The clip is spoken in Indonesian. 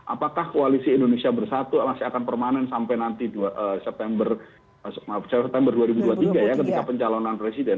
apakah koalisi indonesia bersatu masih akan permanen sampai nanti september dua ribu dua puluh tiga ya ketika pencalonan presiden